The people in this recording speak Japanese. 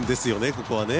ここはね。